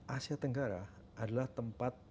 asia tenggara adalah tempat